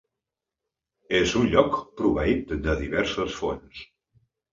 És un lloc proveït de diverses fonts.